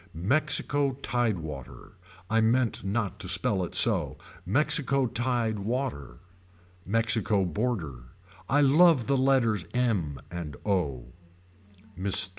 Mexico tide water. I meant not to spell it so. Mexico tied water. Mexico border. I love the letters m and o. Mr.